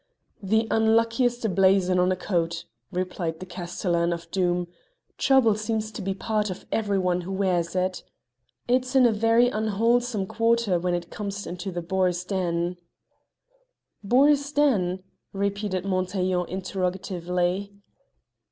"The unluckiest blazon on a coat," replied the castellan of Doom; "trouble seems to be the part of every one who wears it. It's in a very unwholesome quarter when it comes into the boar's den " "Boar's den?" repeated Montaiglon interrogatively.